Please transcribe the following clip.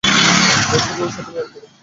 এ সুযোগের সদ্ব্যবহার কর।